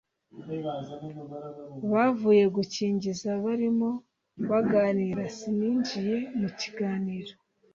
bavuye gukingiza barimo baganira. Sininjiye mu kiganiro